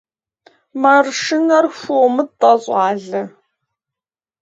Мэршынэр хуомытӏэ, щӏалэ!